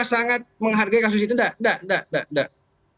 sangat menghargai kasus itu tidak tidak tidak